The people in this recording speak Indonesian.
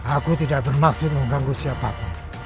aku tidak bermaksud mengganggu siapapun